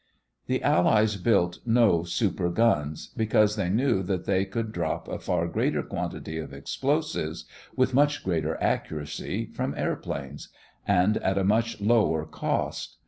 The Allies built no "super guns," because they knew that they could drop a far greater quantity of explosives with much greater accuracy from airplanes, and at a much lower cost.